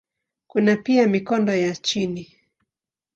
Kuna pia mikondo ya chini.